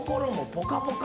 ポカポカ。